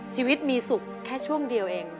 ชีวิตมีสุขแค่ช่วงเดียวเอง